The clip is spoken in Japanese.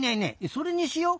それにしよう。